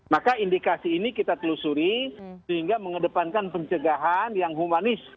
maka indikasi ini kita telusuri sehingga mengedepankan pencegahan yang humanis